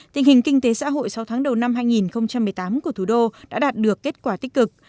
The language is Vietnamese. tình hình kinh tế xã hội sáu tháng đầu năm hai nghìn một mươi tám của thủ đô đã đạt được kết quả tích cực